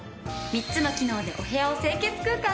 ３つの機能でお部屋を清潔空間に！